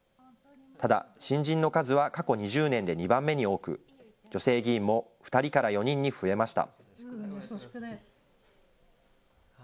ただ新人の数は過去２０年で２番目に多く、女性議員も２人から４人に増えました。